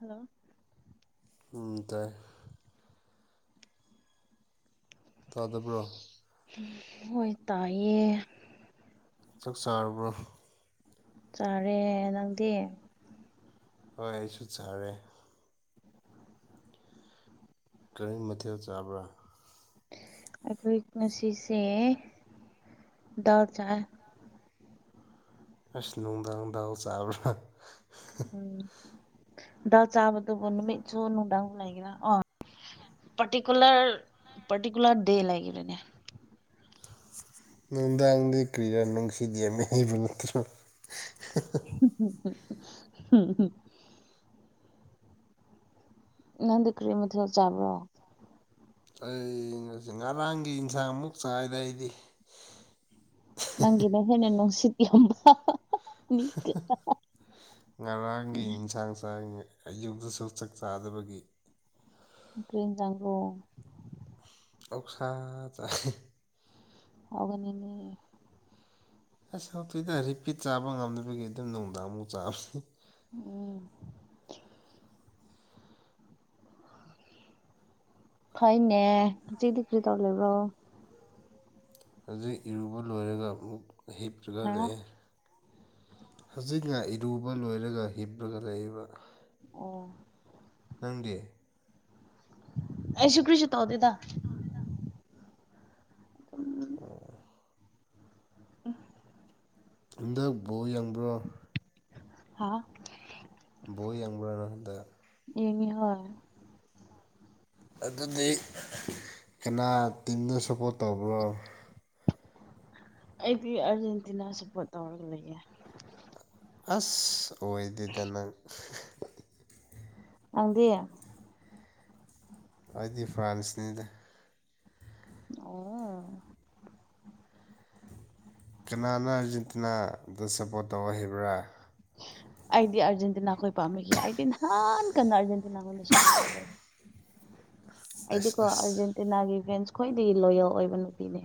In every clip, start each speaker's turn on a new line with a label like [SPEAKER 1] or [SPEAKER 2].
[SPEAKER 1] Hello
[SPEAKER 2] ꯎꯝ ꯇꯥꯢ ꯇꯥꯗꯕ꯭ꯔꯣ
[SPEAKER 1] ꯍꯣꯏ ꯇꯥꯏꯌꯦ
[SPEAKER 2] ꯆꯥꯛ ꯆꯥꯔꯕ꯭ꯔꯣ
[SPEAKER 1] ꯆꯥꯔꯦ ꯅꯪꯗꯤ
[SPEAKER 2] ꯍꯣꯏ ꯑꯩꯁꯨ ꯆꯥꯔꯦ ꯀꯔꯤ ꯃꯊꯦꯜ ꯆꯥꯕ꯭ꯔꯥ
[SPEAKER 1] ꯑꯩꯈꯣꯏ ꯉꯁꯤꯁꯦ ꯗꯥꯜ ꯆꯥꯏ
[SPEAKER 2] ꯑꯁ ꯅꯨꯡꯗꯥꯡ ꯅꯨꯡꯗꯥꯡ ꯆꯥꯕ꯭ꯔꯥ
[SPEAKER 1] ꯎꯝ ꯗꯛ ꯆꯥꯕꯗꯨꯕꯨ ꯅꯨꯃꯤꯠꯁꯨ ꯅꯨꯡꯗꯥꯡ ꯂꯩꯒꯔ ꯑ ꯄ꯭ꯔꯇꯤꯀꯨꯂ꯭ꯔ ꯄ꯭ꯔꯇꯤꯀꯨꯂ꯭ꯔ ꯗꯦ ꯂꯩꯒꯦꯔꯥꯅꯦ
[SPEAKER 2] [unintelligible]
[SPEAKER 1] [unintelligible] ꯅꯪꯗꯤ ꯀꯔꯤ ꯃꯊꯦꯜ ꯆꯥꯕ꯭ꯔꯣ
[SPEAKER 2] ꯑꯩ ꯉꯁꯤ ꯉꯔꯥꯡꯒꯤ ꯏꯟꯁꯥꯡ ꯑꯃꯨꯛ ꯆꯥꯏꯗ ꯑꯩꯗꯤ
[SPEAKER 1] ꯅꯪꯒꯤꯅ ꯍꯦꯟꯅ ꯅꯨꯡꯁꯤꯠ ꯌꯥꯝꯕ ꯅꯤ
[SPEAKER 2] ꯉꯔꯥꯡꯒꯤ ꯏꯟꯁꯥꯡ ꯆꯥꯏ ꯑꯌꯨꯛꯇꯁꯨ ꯆꯥꯛ ꯆꯥꯗꯕꯒꯤ
[SPEAKER 1] ꯀꯔꯤ ꯏꯟꯖꯥꯡꯅꯣ
[SPEAKER 2] ꯑꯣꯛꯁꯥ ꯆꯥꯏ
[SPEAKER 1] ꯍꯥꯎꯕꯅꯤꯅꯦ
[SPEAKER 2] ꯑꯁ ꯍꯥꯎꯇꯦꯗ ꯍꯧꯖꯤꯛꯇꯤ ꯆꯥꯕ ꯉꯝꯗꯕꯒꯤ ꯑꯗꯨꯝ ꯅꯨꯡꯗꯥꯡꯃꯨꯛ ꯆꯥꯕꯅꯤ
[SPEAKER 1] ꯎꯝ ꯍꯣꯏꯅꯦ ꯍꯧꯖꯤꯛꯇꯤ ꯀ꯭ꯔꯤ ꯇꯧ ꯂꯤꯕ꯭ꯔꯣ
[SPEAKER 2] ꯍꯧꯖꯤꯛ ꯏꯔꯨꯕ ꯂꯣꯏꯔꯒ ꯑꯃꯨꯛ ꯍꯤꯞꯇ꯭ꯔꯒ
[SPEAKER 1] ꯍꯥ
[SPEAKER 2] ꯂꯩꯌꯦ ꯍꯧꯖꯤꯛꯅ ꯏꯔꯨꯕ ꯂꯣꯏꯔꯒ ꯍꯤꯞꯄꯒ ꯂꯩꯔꯤꯕ
[SPEAKER 1] ꯑꯣ
[SPEAKER 2] ꯅꯪꯗꯤ
[SPEAKER 1] ꯑꯩꯁꯨ ꯀ꯭ꯔꯤꯁꯨ ꯇꯧꯗꯦꯗ
[SPEAKER 2] [inaudible] ꯍꯟꯗꯛ ꯕꯣꯜ ꯌꯦꯡꯕ꯭ꯔꯣ
[SPEAKER 1] ꯍꯥ
[SPEAKER 2] ꯕꯣꯜ ꯌꯦꯡꯕ꯭ꯔꯥ ꯅꯪꯍꯟꯗꯛ
[SPEAKER 1] ꯍꯦꯡꯏ ꯍꯣꯏ
[SPEAKER 2] ꯑꯗꯨꯗꯤ ꯀꯅꯥ ꯇꯤꯝꯗ ꯁꯞꯄꯣꯔꯠ ꯇꯧꯕ꯭ꯔꯣ
[SPEAKER 1] ꯑꯩꯗꯤ ꯑꯥꯔꯖꯦꯟꯇꯤꯅꯥ ꯁꯞꯄꯣꯔꯠ ꯇꯧꯔꯒ ꯂꯩꯌꯦ
[SPEAKER 2] ꯑꯁ ꯑꯣꯏꯗꯦꯗ ꯅꯪ
[SPEAKER 1] ꯅꯪꯗꯤ
[SPEAKER 2] ꯑꯩꯗꯤ ꯐ꯭ꯔꯥꯟꯁꯅꯤꯗ
[SPEAKER 1] ꯑꯣ
[SPEAKER 2] ꯀꯅꯥꯅ ꯑꯥꯔꯖꯦꯟꯇꯤꯅꯥꯗ ꯁꯞꯄ꯭ꯔꯣꯠ ꯇꯧꯕ ꯍꯥꯏꯕ꯭ꯔꯥ
[SPEAKER 1] ꯑꯩꯗꯤ ꯑꯥꯔꯖꯦꯟꯇꯤꯅꯥꯈꯣꯏ ꯄꯥꯝꯃꯤꯒꯤ ꯑꯩꯗꯤ ꯅꯍꯥꯟ ꯀꯟꯅ ꯑꯔꯖꯦꯟꯇꯤꯅꯥꯅ ꯁꯄ꯭ꯔꯣꯠ ꯇꯧꯔꯦ
[SPEAKER 2] ꯑꯁ
[SPEAKER 1] ꯑꯩꯗꯤꯀꯣ
[SPEAKER 2] ꯑꯁ
[SPEAKER 1] ꯑꯥꯔꯖꯦꯟꯇꯤꯅꯥꯒꯤ ꯐꯦꯟꯁ ꯈ꯭ꯋꯥꯏꯗꯒꯤ ꯂꯣꯌꯦꯜ ꯑꯣꯏꯕ ꯅꯨꯄꯤꯅꯦ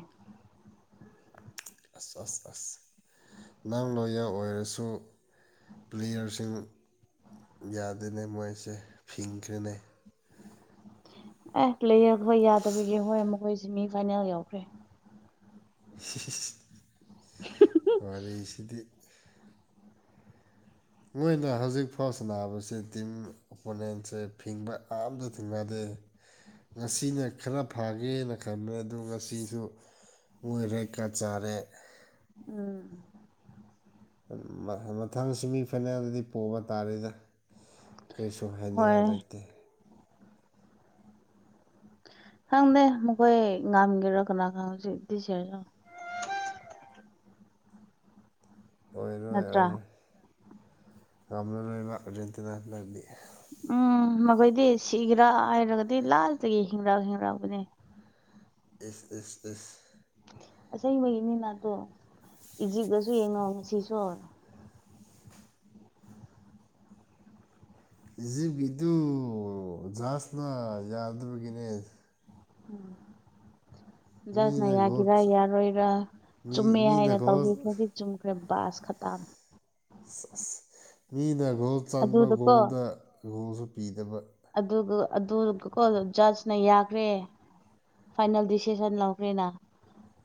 [SPEAKER 2] ꯑꯁ ꯑꯁ ꯑꯁ ꯅꯪ ꯂꯣꯏꯌꯦꯜ ꯑꯣꯏꯔꯁꯨ ꯄ꯭ꯂꯦꯌꯔꯁꯤꯡ ꯌꯥꯗꯦꯅꯦ ꯃꯣꯏꯁꯦ ꯐꯤꯡꯈ꯭ꯔꯦꯅꯦ
[SPEAKER 1] ꯑꯦ ꯂꯩꯔ ꯍꯣꯏ ꯌꯥꯗꯕꯒꯤ ꯍꯣꯏ ꯃꯈꯣꯏ ꯁꯦꯃꯤ ꯐꯥꯏꯅꯦꯜ ꯌꯧꯈ꯭ꯔꯦ
[SPEAKER 2] [unintelligible]
[SPEAKER 1] [unintelligible] [inaudible]
[SPEAKER 2] ꯋꯥꯔꯤꯁꯤꯗꯤ [inaudible] ꯃꯣꯏꯅ ꯍꯧꯖꯤꯛ ꯐꯥꯎ ꯁꯟꯅꯥꯕꯁꯤ ꯗꯤꯝ ꯑꯣꯄꯣꯅꯦꯟꯁꯦ ꯐꯤꯡꯕ ꯑꯝꯇ ꯊꯦꯡꯅꯗꯦ ꯉꯁꯤꯅ ꯈꯔ ꯐꯒꯦꯅ ꯈꯟꯕ ꯑꯗꯨ ꯉꯁꯤꯁꯨ ꯃꯣꯏ ꯔꯦꯠ ꯀꯥꯔꯠ ꯆꯥꯔꯦ
[SPEAKER 1] ꯎꯝ
[SPEAKER 2] ꯃꯊꯪ ꯁꯤꯃꯤꯐꯥꯏꯅꯦꯜꯗꯗꯤ ꯄꯣꯕ ꯇꯥꯔꯦꯗ ꯀꯩꯁꯨ
[SPEAKER 1] ꯍꯣꯏ
[SPEAKER 2] ꯍꯥꯏꯅꯤꯡꯉꯥꯏ ꯂꯩꯇꯦ
[SPEAKER 1] ꯈꯪꯗꯦ ꯃꯈꯣꯏ ꯉꯝꯒꯦꯔꯣ ꯀꯅꯥꯅ [unintelligible]
[SPEAKER 2] ꯑꯣꯏꯔꯣꯏ
[SPEAKER 1] ꯅꯠꯇ꯭ꯔꯥ
[SPEAKER 2] ꯑꯣꯏꯔꯣꯏ ꯉꯝꯂꯔꯣꯏꯕ ꯑꯥꯔꯖꯦꯟꯇꯤꯅꯥ ꯍꯟꯗꯛꯇꯤ
[SPEAKER 1] ꯎꯝ ꯃꯈꯣꯏꯗꯤ ꯁꯤꯒꯔꯥ ꯍꯥꯏꯔꯒꯗꯤ ꯂꯥꯁꯇꯒꯤ ꯍꯤꯡꯔꯛ ꯍꯤꯡꯔꯛꯄꯅꯦ
[SPEAKER 2] ꯏꯁ ꯏꯁ ꯏꯁ
[SPEAKER 1] ꯑꯁꯦꯡꯕꯒꯤꯅꯇꯣ ꯏꯖꯤꯞꯇꯁꯨ ꯌꯦꯡꯉꯣ ꯉꯁꯤꯁꯨ
[SPEAKER 2] ꯏꯖꯤꯞꯀꯤꯗꯨ ꯖꯍꯥꯁꯅ ꯌꯥꯗꯕꯒꯤꯅꯦ
[SPEAKER 1] ꯎꯝ ꯖꯥꯁꯅ
[SPEAKER 2] ꯃꯤꯅ ꯒꯣꯜ
[SPEAKER 1] ꯌꯥꯒꯤꯔꯥ ꯌꯥꯔꯣꯏꯔꯥ
[SPEAKER 2] ꯃꯤ
[SPEAKER 1] ꯆꯨꯝꯃꯦ
[SPEAKER 2] ꯃꯤꯅ
[SPEAKER 1] ꯍꯥꯏꯅ
[SPEAKER 2] ꯒꯣꯜ
[SPEAKER 1] ꯇꯧꯕꯤꯈ꯭ꯔꯗꯤ ꯆꯨꯝꯈ꯭ꯔꯦ ꯕꯥꯁ ꯈꯇꯥꯡ
[SPEAKER 2] ꯁꯥꯁ ꯃꯤꯅ ꯒꯣꯜ ꯆꯟꯕ
[SPEAKER 1] ꯑꯗꯨꯗꯀꯣ
[SPEAKER 2] ꯒꯣꯜꯗ ꯒꯣꯜꯁꯨ ꯄꯤꯗꯕ
[SPEAKER 1] ꯑꯗꯨꯒ ꯑꯗꯨ ꯒꯣꯒꯣꯜ ꯖꯥꯁꯅ ꯌꯥꯈ꯭ꯔꯦ ꯐꯥꯏꯅꯦꯜ ꯗꯤꯁꯤꯁꯟ ꯂꯧꯈ꯭ꯔꯦꯅꯥ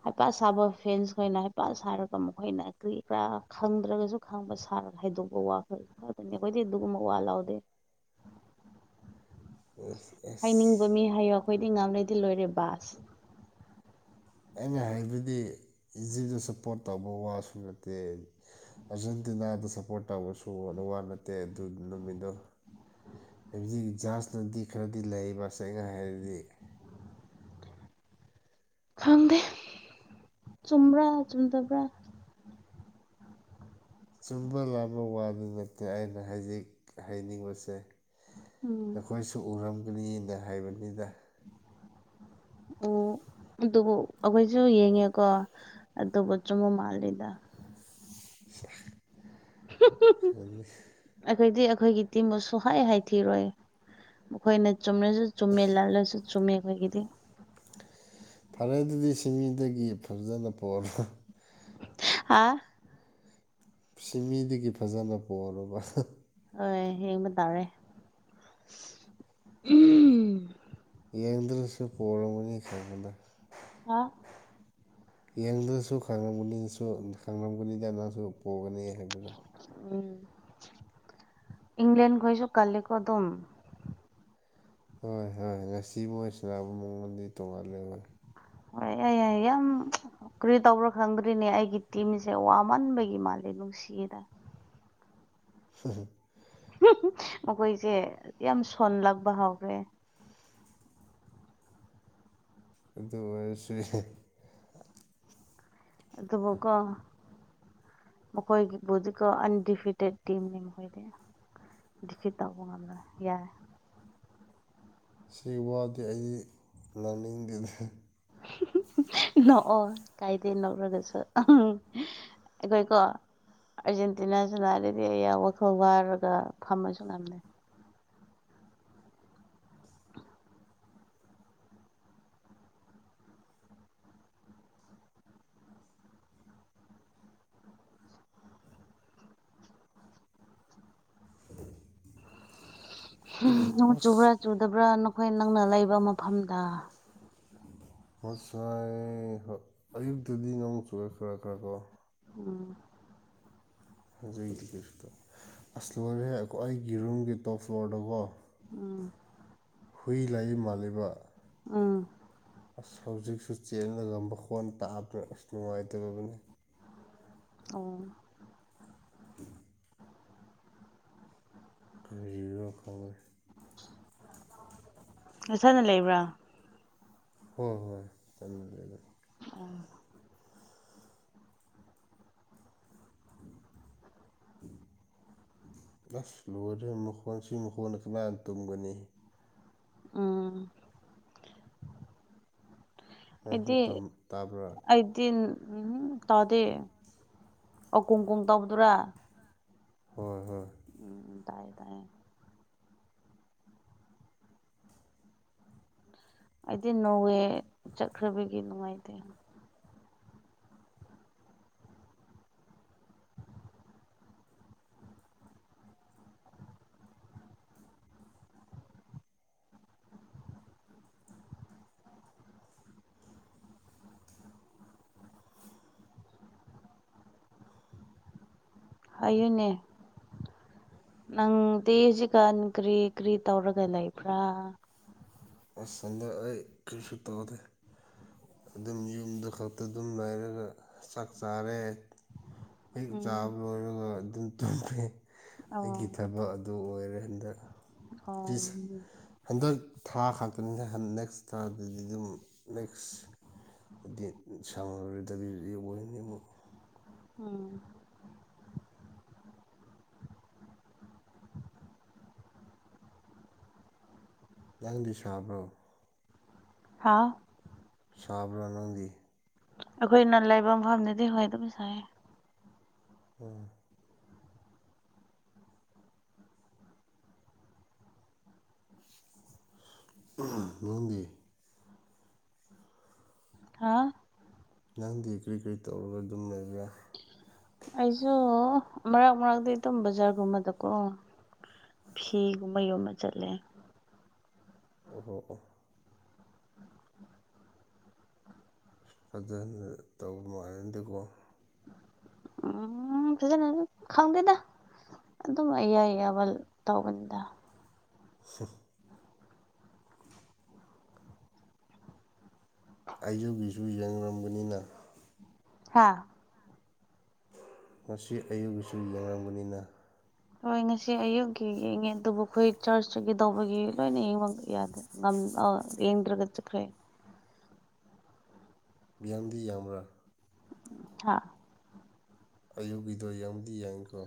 [SPEAKER 1] ꯍꯩꯄꯥ ꯁꯥꯕ ꯐꯦꯟꯁ ꯈꯣꯏꯅ ꯍꯩꯄꯥ ꯁꯥꯔꯒ ꯃꯈꯣꯏꯅ ꯀꯔꯤ ꯀꯔꯥ ꯈꯪꯗ꯭ꯔꯒꯁꯨ ꯈꯪꯕ ꯁꯥꯔꯒ ꯍꯥꯏꯗꯣꯛꯄ ꯋꯥ ꯈ ꯈꯥꯇꯅꯤ ꯑꯩꯈꯣꯏꯗꯤ ꯑꯗꯨꯒꯨꯝꯕ ꯋꯥ ꯂꯧꯗꯦ
[SPEAKER 2] ꯑꯦꯁ ꯑꯦꯁ
[SPEAKER 1] ꯍꯥꯏꯅꯤꯡꯕ ꯃꯤ ꯍꯥꯏꯌꯣ ꯑꯩꯈꯣꯏꯗꯤ ꯉꯥꯝꯂꯩꯗꯤ ꯂꯣꯏꯔꯦ ꯕꯥꯁ
[SPEAKER 2] ꯑꯩꯅ ꯍꯥꯏꯕꯗꯤ ꯏꯖꯤꯕꯇ ꯁꯞꯄ꯭ꯔꯣꯠ ꯇꯧꯕ ꯋꯥꯁꯨ ꯅꯠꯇꯦ ꯑꯥꯔꯖꯦꯟꯇꯤꯅꯥꯗ ꯁꯞꯄ꯭ꯔꯣꯠ ꯇꯧꯕꯁꯨ ꯅꯨꯋꯥ ꯅꯠꯇꯦ ꯑꯗꯨ ꯅꯨꯃꯤꯠꯗꯣ ꯍꯧꯖꯤꯛ ꯖꯥꯁꯅꯗꯤ ꯈꯔꯗꯤ ꯂꯩꯕ ꯁꯦꯡꯅ ꯍꯥꯏꯔꯗꯤ
[SPEAKER 1] ꯈꯪꯗꯦ ꯆꯨꯝꯕ꯭ꯔꯥ ꯆꯨꯝꯗꯕ꯭ꯔꯥ
[SPEAKER 2] ꯆꯨꯝꯕ ꯂꯥꯟꯕ ꯋꯥꯗꯤ ꯅꯠꯇꯦ ꯑꯩꯅ ꯍꯥꯏꯖꯤꯛ ꯍꯥꯏꯅꯤꯡꯕꯁꯦ
[SPEAKER 1] ꯎꯝ
[SPEAKER 2] ꯅꯈꯣꯏꯁꯨ ꯎꯔꯝꯒꯅꯤꯅ ꯍꯥꯏꯕꯅꯤꯗ
[SPEAKER 1] ꯑꯣ ꯑꯗꯨꯕꯨ ꯑꯩꯈꯣꯏꯁꯨ ꯌꯦꯡꯉꯦꯀꯣ ꯑꯗꯨꯕꯨ ꯆꯨꯝꯃ ꯃꯥꯜꯂꯤꯗ
[SPEAKER 2] ꯁꯤꯌꯥ ꯈꯟꯅꯤ
[SPEAKER 1] ꯑꯩꯈꯣꯏꯗꯤ ꯑꯩꯈꯣꯏꯒꯤ ꯇꯤꯝꯕꯨ ꯁꯨꯍꯥꯏ ꯍꯥꯏ ꯊꯤꯔꯣꯏ ꯃꯈꯣꯏꯅ ꯆꯨꯝꯔꯁꯨ ꯆꯨꯝꯃꯦ ꯂꯥꯜꯂꯁꯨ ꯆꯨꯝꯃꯦ ꯑꯩꯈꯣꯏꯒꯤꯗꯤ
[SPEAKER 2] ꯐꯔꯦ ꯑꯗꯨꯗꯤ ꯁꯤꯃꯤꯗꯒꯤ ꯐꯖꯅ ꯄꯣꯔꯣ
[SPEAKER 1] ꯑꯥ
[SPEAKER 2] ꯁꯤꯃꯤꯗꯒꯤ ꯐꯖꯅ ꯄꯣꯔꯣꯕ
[SPEAKER 1] ꯑꯣꯏ ꯌꯦꯡꯕ ꯇꯥꯔꯦ
[SPEAKER 2] ꯌꯦꯡꯗ꯭ꯔꯁꯨ ꯄꯣꯔꯕꯅꯤ ꯈꯪꯉꯤꯗ
[SPEAKER 1] ꯍꯥ
[SPEAKER 2] ꯌꯦꯡꯗꯁꯨ ꯈꯪꯉꯝꯒꯅꯤ ꯅꯪꯁꯨ ꯈꯪꯉꯝꯒꯅꯤꯗ ꯅꯪꯁꯨ ꯄꯣꯒꯅꯤ ꯍꯥꯏꯕꯗꯣ
[SPEAKER 1] ꯎꯝ ꯏꯪꯂꯦꯟ ꯈꯣꯏꯁꯨ ꯀꯜꯂꯦꯀꯣ ꯑꯗꯨꯝ
[SPEAKER 2] ꯍꯣꯏ ꯍꯣꯏ ꯉꯁꯤ ꯃꯣꯏ ꯁꯅꯥꯅꯕ ꯃꯉꯣꯟꯗꯤ ꯇꯣꯡꯉꯜꯂꯦ
[SPEAKER 1] ꯍꯣꯏ ꯌꯥꯏ ꯌꯥꯏ ꯌꯥꯝ ꯀꯔꯤ ꯇꯧꯕ꯭ꯔꯥ ꯈꯪꯗ꯭ꯔꯤꯅꯦ ꯑꯩꯒꯤ ꯇꯤꯝꯁꯦ ꯋꯥꯃꯟꯕꯒꯤ ꯃꯥꯜꯂꯦ ꯅꯨꯡꯁꯤꯗ
[SPEAKER 2] ꯍꯨꯝ ꯍꯨꯝ
[SPEAKER 1] ꯃꯈꯣꯏꯁꯦ ꯌꯥꯝ ꯁꯣꯜꯂꯛꯄ ꯍꯧꯈ꯭ꯔꯦ
[SPEAKER 2] ꯑꯗꯨ ꯑꯣꯏꯔꯁꯨꯌꯦꯍꯦ
[SPEAKER 1] ꯑꯗꯨꯕꯨ ꯀꯣ ꯃꯈꯣꯏꯒꯤꯕꯨꯗꯤꯀꯣ ꯑꯟꯗꯤꯐꯤꯇꯦꯠ ꯇꯤꯝꯅꯤ ꯃꯈꯣꯏꯗꯤ ꯗꯤꯐꯤꯠ ꯇꯧꯕ ꯉꯝꯂꯣꯏ ꯌꯥ
[SPEAKER 2] ꯁꯤ ꯋꯥꯗꯤ ꯑꯩ ꯉꯥꯡꯅꯤꯡꯗꯦꯗ
[SPEAKER 1] ꯅꯣꯛꯑꯣ ꯀꯥꯏꯗꯦ ꯅꯣꯛꯔꯒꯁꯨ ꯑꯩꯈꯣꯏꯀꯣ ꯑꯥꯔꯖꯦꯟꯇꯤꯅꯥꯁꯨ ꯂꯥꯛꯂꯤꯅꯤ ꯌꯥ ꯃꯈꯣꯡ ꯋꯥꯔꯒ ꯐꯝꯃꯁꯨ ꯉꯝꯗꯦ
[SPEAKER 2] [inaudible]
[SPEAKER 1] ꯍꯨꯝ ꯅꯣꯡ
[SPEAKER 2] ꯑꯁ
[SPEAKER 1] ꯆꯨꯕ꯭ꯔꯥ ꯆꯨꯗꯕ꯭ꯔꯥ ꯅꯈꯣꯏ ꯅꯪꯅ ꯂꯩꯕ ꯃꯐꯝꯗ
[SPEAKER 2] ꯉꯁꯥꯏ ꯍꯣ ꯑꯌꯨꯛꯇꯗꯤ ꯅꯣꯡ ꯆꯨꯑꯦ ꯈꯔ ꯈꯔ ꯀꯣ
[SPEAKER 1] ꯎꯝ
[SPEAKER 2] ꯍꯧꯖꯤꯛꯇꯤ ꯒꯤꯐꯇꯣ ꯑꯁ ꯂꯣꯏꯔꯦꯍꯦ ꯑꯩꯒꯤ ꯔꯨꯝꯒꯤ ꯇꯣꯞ ꯐ꯭ꯂꯣꯔꯗꯣꯒꯣ
[SPEAKER 1] ꯎꯝ
[SPEAKER 2] ꯍꯨꯏ ꯂꯩ ꯃꯥꯜꯂꯤꯕ
[SPEAKER 1] ꯎꯝ
[SPEAKER 2] ꯑꯁ ꯍꯧꯖꯤꯛꯁꯨ ꯆꯦꯜꯂꯒ ꯃꯈꯣꯟ ꯇꯥꯕ꯭ꯔ ꯑꯁ ꯅꯨꯡꯉꯥꯏꯇꯔꯕꯅꯤ
[SPEAKER 1] ꯑꯣ
[SPEAKER 2] ꯀꯔꯤꯔꯣ ꯀꯥꯎꯔꯦ
[SPEAKER 1] ꯅꯁꯥꯅ ꯂꯩꯕ꯭ꯔꯥ
[SPEAKER 2] ꯍꯣꯏ ꯍꯣꯏ ꯇꯜꯂꯦꯗ
[SPEAKER 1] ꯑꯣ [inaudible]
[SPEAKER 2] ꯑꯁ ꯂꯣꯏꯔꯦ ꯃꯈꯣꯟ ꯁꯤ ꯃꯈꯣꯟꯅ ꯀꯅꯥꯅ ꯇꯨꯝꯒꯅꯤ
[SPEAKER 1] ꯎꯝ
[SPEAKER 2] ꯅꯪꯁꯨ
[SPEAKER 1] ꯑꯩꯗꯤ
[SPEAKER 2] ꯇꯥꯕ꯭ꯔꯥ
[SPEAKER 1] ꯑꯩꯗꯤ ꯎꯝ ꯇꯧꯗꯦ ꯑꯣ ꯀꯨꯝ ꯀꯨꯝ ꯇꯧꯗꯨꯔꯥ
[SPEAKER 2] ꯍꯣꯏ ꯍꯣꯏ
[SPEAKER 1] ꯎꯝ ꯎꯝ ꯇꯥꯏ ꯇꯥꯏ ꯑꯩꯗꯤ ꯅꯣꯔꯋꯦ ꯆꯠꯈ꯭ꯔꯕꯒꯤ ꯅꯨꯡꯉꯥꯏꯇꯦ ꯍꯥꯏꯌꯨꯅꯦ ꯅꯪꯗꯤ ꯍꯧꯖꯤꯛꯀꯥꯟ ꯀ꯭ꯔꯤ ꯀ꯭ꯔꯤ ꯇꯧꯔꯒ ꯂꯩꯕ꯭ꯔꯥ
[SPEAKER 2] ꯑꯁ ꯑꯗꯣ ꯑꯩ ꯀꯔꯤꯁꯨ ꯇꯧꯗꯦ ꯑꯗꯨꯝ ꯌꯨꯝꯗꯨ ꯈꯛꯇ ꯑꯗꯨꯝ ꯂꯩꯥꯏꯔꯒ ꯆꯥꯛ ꯆꯥꯔꯦ ꯍꯦꯛ
[SPEAKER 1] ꯎꯝ
[SPEAKER 2] ꯆꯥꯕ ꯂꯣꯏꯔꯒ ꯑꯗꯨꯝ ꯇꯨꯝꯃꯦ
[SPEAKER 1] ꯑꯣ
[SPEAKER 2] ꯑꯩꯒꯤ ꯊꯕꯛ ꯑꯗꯨ ꯑꯣꯏꯔꯦ ꯍꯟꯗꯛ
[SPEAKER 1] ꯊꯣꯝ
[SPEAKER 2] ꯍꯟꯗꯛ ꯊꯥ ꯈꯛꯇꯅꯤꯗ ꯅꯦꯛꯁꯊꯥꯗꯩꯗꯤ ꯑꯗꯨꯝ ꯍꯥꯏꯗꯤ ꯁꯪꯉꯔꯣꯏꯗꯕꯤ [unintelligible]
[SPEAKER 1] ꯎꯝ
[SPEAKER 2] ꯅꯪꯗꯤ ꯁꯥꯕ꯭ꯔꯣ
[SPEAKER 1] ꯍꯥꯥꯎ
[SPEAKER 2] ꯁꯥꯕꯔ ꯅꯪꯗꯤ
[SPEAKER 1] ꯑꯈꯣꯏꯅ ꯂꯩꯕ ꯃꯐꯝꯗꯗꯤ ꯍꯣꯏ ꯑꯗꯨꯝ ꯁꯥꯏ
[SPEAKER 2] ꯎꯝ ꯅꯪꯗꯤ
[SPEAKER 1] ꯍꯥꯥ
[SPEAKER 2] ꯅꯪꯗꯤ ꯀꯔꯤ ꯀꯔꯤ ꯇꯧꯔꯒ ꯑꯗꯨꯝ ꯂꯩꯕ꯭ꯔ
[SPEAKER 1] ꯑꯩꯖꯨ ꯃꯔꯛ ꯃꯔꯛꯇꯤ ꯇꯨꯝ ꯕꯖꯥꯔꯒꯨꯝꯕꯗꯀꯣ ꯐꯤꯒꯨꯝꯕ ꯌꯣꯟꯕ ꯆꯠꯂꯦ
[SPEAKER 2] ꯑꯣꯍꯣ ꯑꯣ ꯐꯖꯅ ꯇꯧꯕ ꯃꯥꯜꯂꯗꯀꯣ
[SPEAKER 1] ꯎꯝ ꯐꯖꯅ ꯈꯪꯗꯦꯗ ꯑꯗꯨꯝ ꯑꯌꯥ ꯑꯌꯥꯕ ꯇꯧꯕꯅꯤꯗ
[SPEAKER 2] ꯍꯝ [inaudible] ꯑꯩꯖꯨꯒꯤꯁꯨ ꯌꯦꯡꯉꯝꯕꯅꯤꯅ
[SPEAKER 1] ꯍꯥꯥ
[SPEAKER 2] ꯉꯁꯤ ꯑꯌꯨꯛꯒꯤꯁꯨ ꯌꯦꯡꯉꯝꯒꯅꯤꯅ
[SPEAKER 1] ꯍꯣꯏ ꯉꯁꯤ ꯑꯌꯨꯛꯀꯤ ꯌꯦꯡꯉꯦ ꯑꯗꯨꯕꯨ ꯑꯩꯈꯣꯏ ꯆꯔꯆꯇꯒꯤ ꯇꯧꯕꯒꯤ ꯂꯣꯏꯅ ꯌꯦꯡꯕ ꯌꯥꯗꯦ ꯉꯝ ꯑꯣ ꯌꯦꯡꯗ꯭ꯔꯒ ꯆꯠꯈ꯭ꯔꯦ
[SPEAKER 2] ꯌꯥꯡꯗꯤ ꯌꯥꯡꯕ꯭ꯔꯥ?
[SPEAKER 1] ꯍꯥꯥ
[SPEAKER 2] ꯑꯌꯨꯛꯀꯤꯗꯣ ꯌꯦꯡꯕꯗꯤ ꯌꯦꯡꯈ꯭ꯔꯣ꯫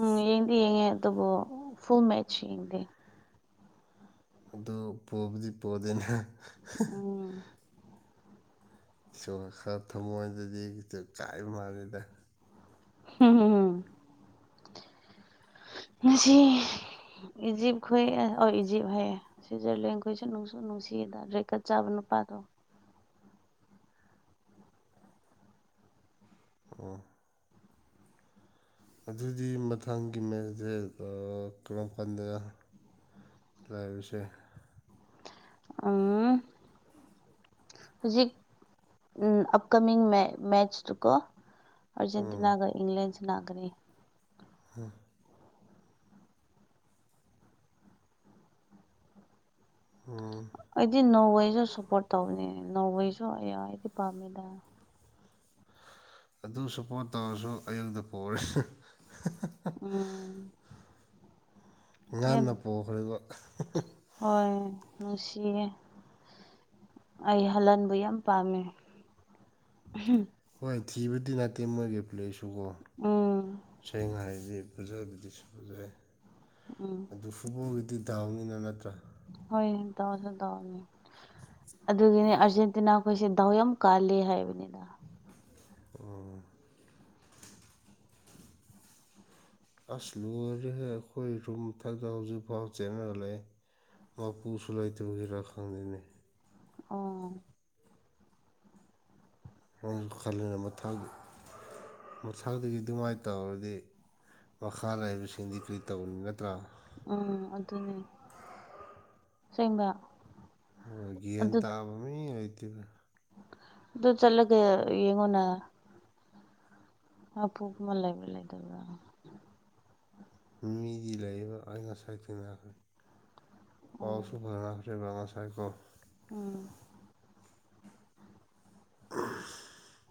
[SPEAKER 1] ꯎꯝ ꯌꯦꯡꯗꯤ ꯌꯦꯡꯉꯦ ꯑꯗꯨꯕꯨ ꯐꯨꯜ ꯃꯦꯠꯆ ꯌꯦꯡꯗꯦ꯫
[SPEAKER 2] ꯑꯗꯨ ꯄꯣꯕꯗꯤ ꯄꯣꯗꯦꯅꯥ [unintelligible]
[SPEAKER 1] ꯎꯝ
[SPEAKER 2] ꯁꯣꯁꯥ ꯊꯃꯣꯏꯗꯗꯤ ꯈꯤꯇꯪ ꯆꯛꯏꯕ ꯃꯥꯜꯂꯤꯗ꯫
[SPEAKER 1] [unintelligible] ꯉꯁꯤ ꯏꯖꯤꯞꯈꯣꯏ ꯑꯣ ꯏꯖꯤꯞ ꯍꯥꯏꯌꯦ꯫ ꯁꯨꯏꯖꯔꯂꯦꯟꯈꯣꯏꯁꯨ ꯅꯨꯡꯁꯨ ꯅꯨꯡꯁꯤꯌꯦꯗ ꯔꯦꯀꯠ ꯆꯥꯕ ꯅꯨꯄꯥꯗꯣ꯫
[SPEAKER 2] ꯑꯣ ꯑꯗꯨꯗꯤ ꯃꯊꯪꯒꯤ ꯃꯦꯁꯗꯤ ꯀꯔꯝ ꯀꯥꯟꯗ꯫ ꯂꯩꯕꯁꯦ꯫
[SPEAKER 1] ꯎꯝ ꯍꯧꯖꯤꯛ ꯎꯝ ꯑꯞꯀꯃꯤꯡ ꯃꯦ ꯃꯦꯠꯆꯇꯨꯀꯣ꯫
[SPEAKER 2] ꯎꯝ
[SPEAKER 1] ꯑꯥꯔꯖꯦꯟꯇꯤꯅꯒ ꯏꯪꯂꯦꯟ ꯁꯅꯥꯒꯅꯤ꯫
[SPEAKER 2] [unintelligible] ꯎꯝ
[SPEAKER 1] ꯑꯩꯗꯤ ꯅꯣꯔꯋꯦꯁꯨ ꯁꯞꯄꯣꯔꯠ ꯇꯧꯕꯅꯤ ꯅꯣꯔꯋꯦꯁꯨ ꯑꯌꯥ ꯑꯩꯗꯤ ꯄꯥꯝꯃꯦꯗ꯫
[SPEAKER 2] ꯑꯗꯨ ꯁꯞꯄꯣꯔꯠ ꯇꯧꯔꯁꯨ ꯑꯌꯨꯛꯇ ꯄꯣꯔꯦ꯫
[SPEAKER 1] ꯎꯝ ꯌꯥꯝ
[SPEAKER 2] ꯉꯟꯅ ꯄꯣꯈ꯭ꯔꯦꯕ꯫
[SPEAKER 1] ꯍꯣꯏ ꯅꯨꯡꯁꯤꯌꯦ꯫ ꯑꯩ ꯍꯜꯂꯟꯕꯨ ꯌꯥꯝ ꯄꯝꯃꯦ꯫
[SPEAKER 2] ꯍꯣꯏ ꯊꯤꯕꯗꯤ ꯅꯠꯇꯦ ꯃꯣꯏꯒꯤ ꯄ꯭ꯂꯦꯁꯨꯀꯣ
[SPEAKER 1] ꯎꯝ
[SPEAKER 2] ꯁꯦꯡꯅ ꯍꯥꯏꯗꯤ꯫ ꯐꯖꯕꯤꯗꯨꯁꯨ ꯐꯖꯩ꯫
[SPEAKER 1] ꯎꯝ
[SPEAKER 2] ꯑꯗꯨꯁꯨꯕꯨ ꯗꯤ ꯗꯥꯎꯅꯤꯅ ꯅꯠꯇ꯭ꯔꯥ?
[SPEAKER 1] ꯍꯣꯏ ꯇꯧꯁꯨ ꯇꯧꯅꯤ ꯑꯗꯨꯒꯤꯅꯦ ꯑꯥꯔꯖꯦꯟꯇꯤꯅ ꯈꯣꯏꯁꯦ ꯗꯥꯎ ꯌꯥꯝ ꯀꯜꯂꯦ ꯍꯥꯏꯕꯅꯤꯗ꯫
[SPEAKER 2] ꯑꯣ ꯑꯁ ꯂꯣꯏꯔꯦꯍꯦ ꯑꯈꯣꯏ ꯔꯨꯝ ꯃꯊꯛꯇ ꯍꯧꯖꯤꯛ ꯐꯥꯎ ꯆꯦꯟꯔꯒ ꯂꯩꯌꯦ꯫ ꯃꯥꯄꯨꯁꯨ ꯂꯩꯇꯥꯕꯒꯤꯔꯥ ꯈꯪꯗꯦꯅꯦ꯫
[SPEAKER 1] ꯑꯣ
[SPEAKER 2] ꯎꯝ ꯈꯜꯂꯦ ꯃꯊꯪ ꯃꯊꯪꯗꯒꯤ ꯑꯗꯨꯃꯥꯏꯅ ꯇꯧꯔꯗꯤ, ꯃꯈꯥ ꯂꯩꯕꯁꯤꯡꯗꯤ ꯀꯔꯤ ꯇꯧꯅꯤ ꯅꯠꯇ꯭ꯔꯥ?
[SPEAKER 1] ꯎꯝ ꯑꯗꯨꯅꯦ ꯑꯁꯦꯡꯕ꯫
[SPEAKER 2] ꯍꯣꯏ ꯒ꯭ꯌꯥꯟ
[SPEAKER 1] ꯑꯗꯨ
[SPEAKER 2] ꯇꯥꯕ ꯃꯤ ꯂꯩꯇꯦꯗ꯫
[SPEAKER 1] ꯑꯗꯨ ꯆꯠꯂꯒ ꯌꯦꯡꯉꯣꯅ꯫ ꯑꯄꯣꯛꯄ ꯂꯩꯕ꯭ꯔꯥ ꯂꯩꯇꯕ꯭ꯔꯥ?
[SPEAKER 2] ꯃꯤꯗꯤ ꯂꯩꯌꯦꯕ ꯑꯩ ꯉꯁꯥꯏ ꯊꯦꯡꯅꯈ꯭ꯔꯦ꯫
[SPEAKER 1] ꯎꯝ
[SPEAKER 2] ꯄꯥꯎꯁꯨ ꯐꯧꯈ꯭ꯔꯦꯕ ꯉꯁꯥꯏꯀꯣ꯫
[SPEAKER 1] ꯎꯝ
[SPEAKER 2] [unintelligible]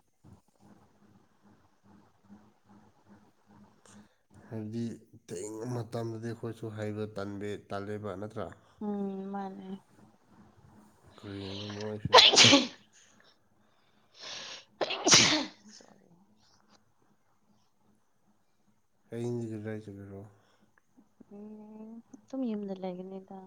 [SPEAKER 2] ꯍꯥꯏꯕꯗꯤ ꯇꯦꯡꯕ ꯃꯇꯝꯗꯗꯤ ꯑꯈꯣꯏꯁꯨ ꯍꯥꯕ ꯇꯟꯗꯤ ꯇꯜꯂꯦꯕ ꯅꯠꯇ꯭ꯔꯥ?
[SPEAKER 1] ꯎꯝ ꯃꯥꯟꯅꯦ
[SPEAKER 2] ꯀꯔꯤꯅꯣ ꯃꯣꯏꯁꯨ
[SPEAKER 1] [unintelligible]
[SPEAKER 2] ꯑꯌꯤꯡꯖꯤꯗ ꯀꯔꯥꯏ ꯆꯠꯂꯨꯏꯅꯣ
[SPEAKER 1] ꯎꯝ ꯑꯗꯨꯝ ꯌꯨꯝꯗ ꯂꯩꯒꯅꯤꯗ